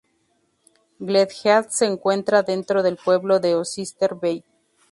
Glen Head se encuentra dentro del pueblo de Oyster Bay.